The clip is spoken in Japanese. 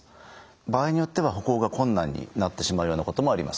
場合によっては歩行が困難になってしまうようなこともあります。